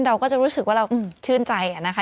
เราก็จะรู้สึกว่าเราชื่นใจนะคะ